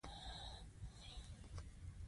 د عوایدو برابري عادلانه ده؟